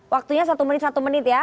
waktunya satu menit satu menit ya